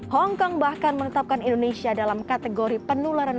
hongkong bahkan menetapkan indonesia dalam kategori penularan